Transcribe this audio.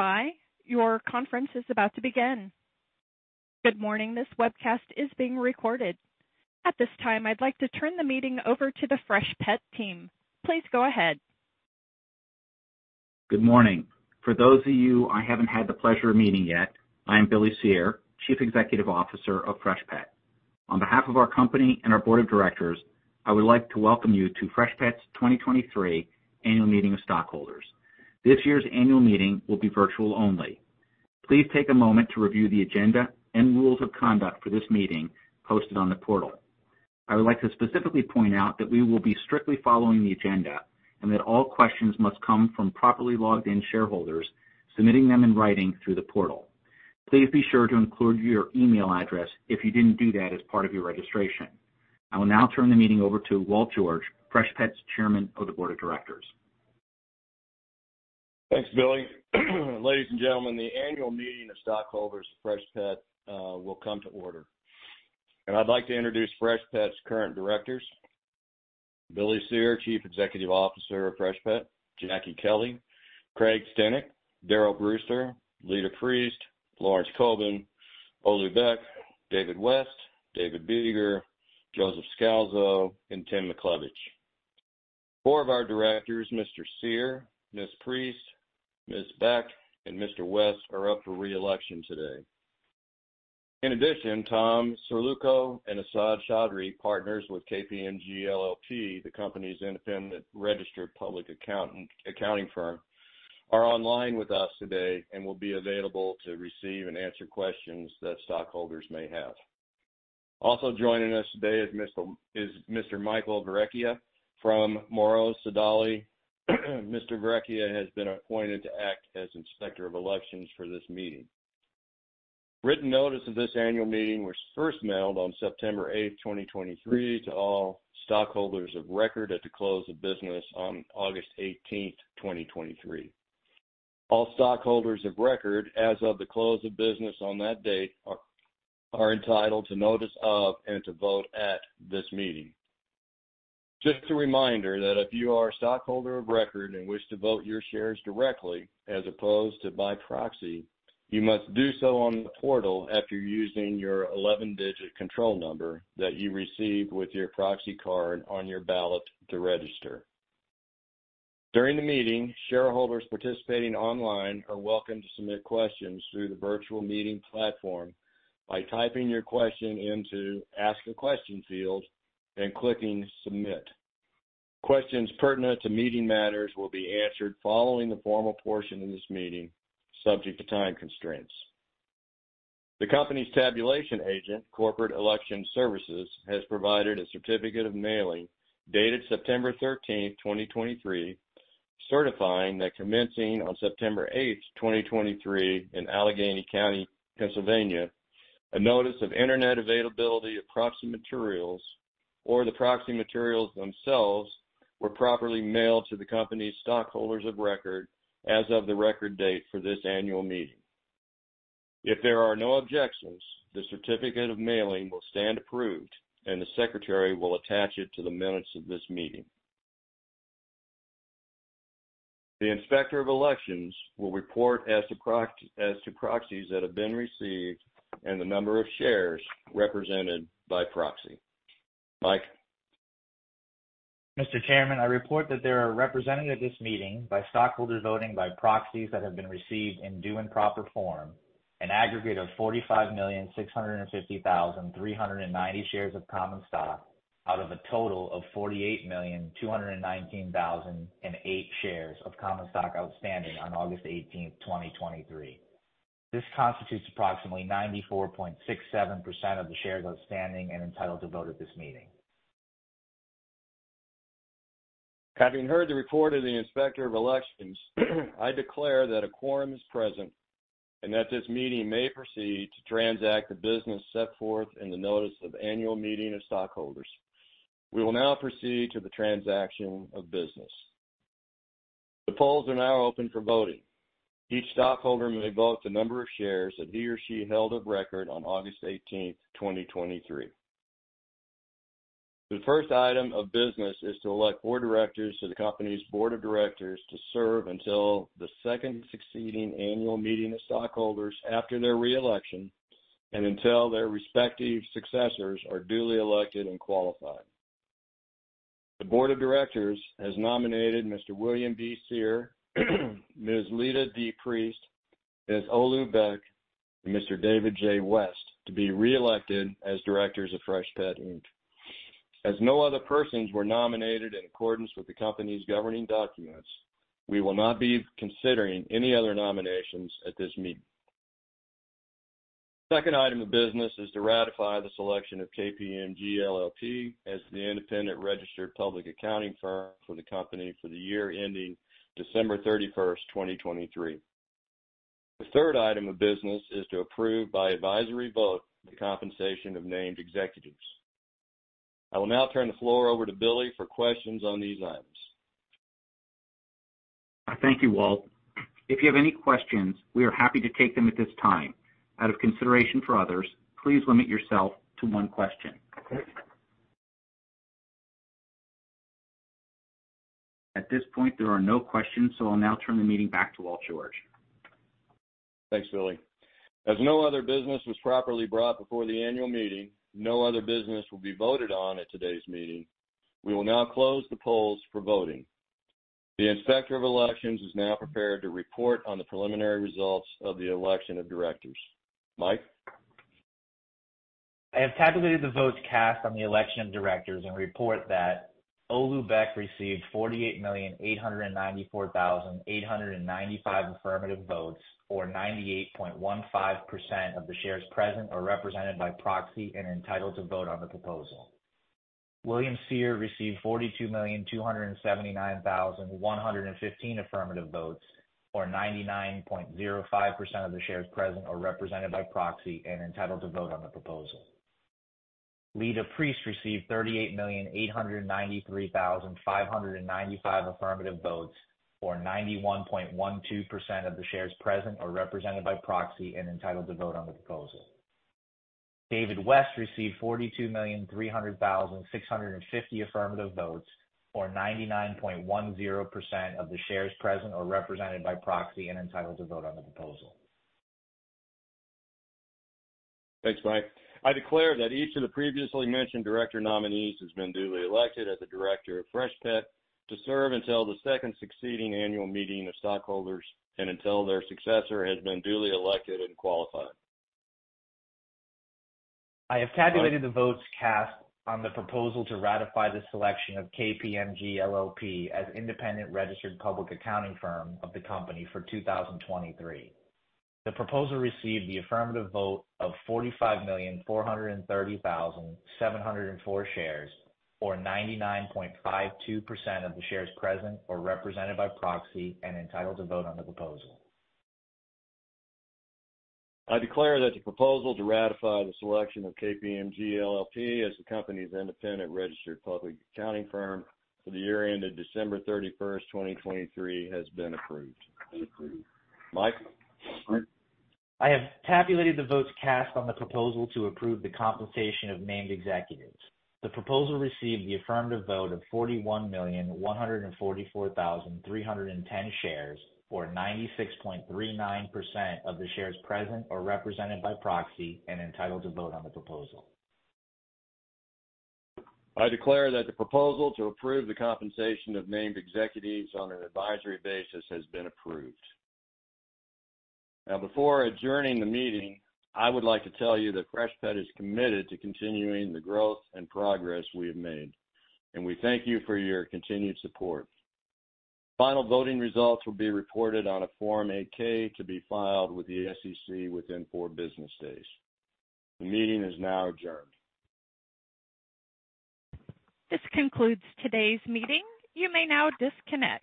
Please stand by. Your conference is about to begin. Good morning. This webcast is being recorded. At this time, I'd like to turn the meeting over to the Freshpet team. Please go ahead. Good morning. For those of you I haven't had the pleasure of meeting yet, I am Billy Cyr, Chief Executive Officer of Freshpet. On behalf of our company and our board of directors, I would like to welcome you to Freshpet's 2023 Annual Meeting of Stockholders. This year's annual meeting will be virtual only. Please take a moment to review the agenda and rules of conduct for this meeting posted on the portal. I would like to specifically point out that we will be strictly following the agenda, and that all questions must come from properly logged-in shareholders, submitting them in writing through the portal. Please be sure to include your email address if you didn't do that as part of your registration. I will now turn the meeting over to Walt George, Freshpet's Chairman of the Board of Directors. Thanks, Billy. Ladies and gentlemen, the annual meeting of stockholders of Freshpet will come to order. I'd like to introduce Freshpet's current directors: Billy Cyr, Chief Executive Officer of Freshpet, Jacki Kelley, Craig D. Steeneck, Daryl G. Brewster, Leta D. Priest, Lawrence S. Coben, Olu Beck, David J. West, David B. Biegger, Joseph E. Scalzo, and Timothy R. McLevish. Four of our directors, Mr. Cyr, Ms. Priest, Ms. Beck, and Mr. West, are up for reelection today. In addition, Tom Ciarocco and Asad Choudhry, partners with KPMG LLP, the company's independent registered public accounting firm, are online with us today and will be available to receive and answer questions that stockholders may have. Also joining us today is Mr. Michael Verrecchia from Morrow Sodali. Mr. Verrecchia has been appointed to act as Inspector of Elections for this meeting. Written notice of this annual meeting was first mailed on September 8, 2023, to all stockholders of record at the close of business on August 18, 2023. All stockholders of record as of the close of business on that date are entitled to notice of and to vote at this meeting. Just a reminder that if you are a stockholder of record and wish to vote your shares directly, as opposed to by proxy, you must do so on the portal after using your 11-digit control number that you received with your proxy card on your ballot to register. During the meeting, shareholders participating online are welcome to submit questions through the virtual meeting platform by typing your question into Ask a Question field and clicking Submit. Questions pertinent to meeting matters will be answered following the formal portion of this meeting, subject to time constraints. The company's tabulation agent, Corporate Election Services, has provided a certificate of mailing dated September 13, 2023, certifying that commencing on September 8, 2023, in Allegheny County, Pennsylvania, a notice of internet availability of proxy materials or the proxy materials themselves were properly mailed to the company's stockholders of record as of the record date for this annual meeting. If there are no objections, the certificate of mailing will stand approved, and the secretary will attach it to the minutes of this meeting. The Inspector of Elections will report as to proxies that have been received and the number of shares represented by proxy. Mike? Mr. Chairman, I report that there are represented at this meeting by stockholders voting by proxies that have been received in due and proper form, an aggregate of 45,650,390 shares of common stock, out of a total of 48,219,008 shares of common stock outstanding on August eighteenth, 2023. This constitutes approximately 94.67% of the shares outstanding and entitled to vote at this meeting. Having heard the report of the Inspector of Elections, I declare that a quorum is present and that this meeting may proceed to transact the business set forth in the notice of annual meeting of stockholders. We will now proceed to the transaction of business. The polls are now open for voting. Each stockholder may vote the number of shares that he or she held of record on August 18, 2023. The first item of business is to elect board directors to the company's board of directors to serve until the second succeeding annual meeting of stockholders after their reelection and until their respective successors are duly elected and qualified. The board of directors has nominated Mr. William B. Cyr, Ms. Leta D. Priest, Ms. Olu Beck, and Mr. David J. West, to be reelected as directors of Freshpet, Inc. As no other persons were nominated in accordance with the company's governing documents, we will not be considering any other nominations at this meeting. Second item of business is to ratify the selection of KPMG LLP as the independent registered public accounting firm for the company for the year ending December 31, 2023. The third item of business is to approve, by advisory vote, the compensation of named executives. I will now turn the floor over to Billy for questions on these items. Thank you, Walt. If you have any questions, we are happy to take them at this time. Out of consideration for others, please limit yourself to one question. At this point, there are no questions, so I'll now turn the meeting back to Walt George. Thanks, Billy. As no other business was properly brought before the annual meeting, no other business will be voted on at today's meeting. We will now close the polls for voting. The Inspector of Elections is now prepared to report on the preliminary results of the election of directors. Mike? I have tabulated the votes cast on the election of directors and report that Olu Beck received 48,894,895 affirmative votes, or 98.15% of the shares present or represented by proxy and entitled to vote on the proposal. William Cyr received 42,279,115 affirmative votes, or 99.05% of the shares present or represented by proxy and entitled to vote on the proposal. Leta Priest received 38,893,595 affirmative votes, or 91.12% of the shares present or represented by proxy and entitled to vote on the proposal. David West received 42,300,650 affirmative votes, or 99.10% of the shares present or represented by proxy and entitled to vote on the proposal. Thanks, Mike. I declare that each of the previously mentioned director nominees has been duly elected as a director of Freshpet to serve until the second succeeding annual meeting of stockholders and until their successor has been duly elected and qualified. I have tabulated the votes cast on the proposal to ratify the selection of KPMG LLP as independent registered public accounting firm of the company for 2023. The proposal received the affirmative vote of 45,430,704 shares, or 99.52% of the shares present or represented by proxy and entitled to vote on the proposal. I declare that the proposal to ratify the selection of KPMG LLP as the company's independent registered public accounting firm for the year ended December 31, 2023, has been approved. Mike? I have tabulated the votes cast on the proposal to approve the compensation of named executives. The proposal received the affirmative vote of 41,144,310 shares, or 96.39% of the shares present or represented by proxy and entitled to vote on the proposal. I declare that the proposal to approve the compensation of named executives on an advisory basis has been approved. Now, before adjourning the meeting, I would like to tell you that Freshpet is committed to continuing the growth and progress we have made, and we thank you for your continued support. Final voting results will be reported on a Form 8-K to be filed with the SEC within four business days. The meeting is now adjourned. This concludes today's meeting. You may now disconnect.